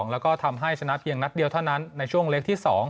แล้วก็ทำให้ชนะเพียงนัดเดียวเท่านั้นในช่วงเล็กที่๒